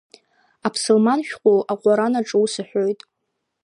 Аԥсылман шәҟәы Аҟәаран аҿы ус аҳәоит…